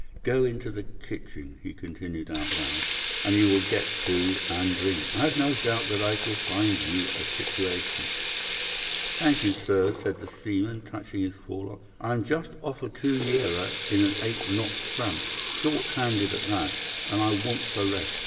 'Go into the kitchen,' he continued out loud, 'and you will get food and drink. I have no doubt that I shall find you a situation.' "'Thank you, sir,' said the seaman, touching his forelock. 'I'm just off a two yearer in an eight knot tramp, short handed at that, and I wants a rest.